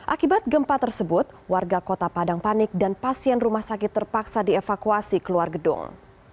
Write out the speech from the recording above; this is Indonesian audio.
akibat gempa tersebut warga kota padang panik dan pasien rumah sakit terpaksa dievakuasi keluar gedung